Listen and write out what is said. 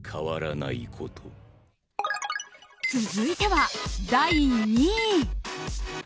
続いては、第２位。